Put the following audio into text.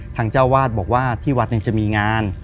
ทางเจ้าวาดบอกว่าที่วัดจะมีงาน